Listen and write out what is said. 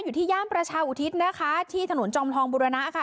อยู่ที่ย่านประชาอุทิศนะคะที่ถนนจอมทองบุรณะค่ะ